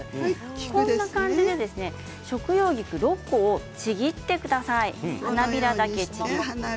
こんな感じで食用菊６個をちぎってください。